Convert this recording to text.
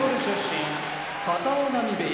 片男波部屋